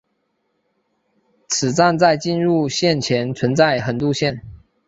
此站在进入线前存在横渡线。